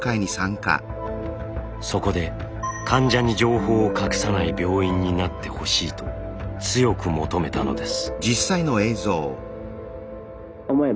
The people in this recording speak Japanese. そこで患者に情報を隠さない病院になってほしいと強く求めたのです。